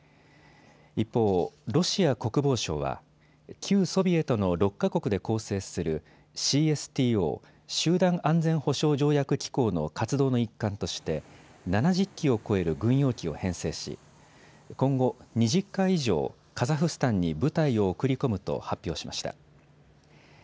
一方、ロシア国防省は旧ソビエトの６か国で構成するＣＳＴＯ・集団安全保障条約機構の活動の一環として７０機を超える軍用機を編成し今後、２０回以上カザフスタンに部隊を送り込むと発表しました。